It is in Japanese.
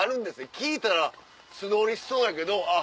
聞いたら素通りしそうやけどあっ